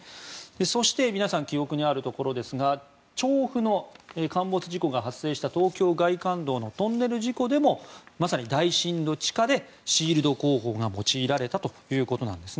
そして皆さん記憶にあるところですが調布の陥没事故が発生した東京外環道のトンネル事故でもまさに大深度地下でシールド工法が用いられたということなんです。